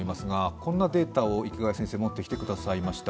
こんなデータを池谷先生が持ってきてくださいました。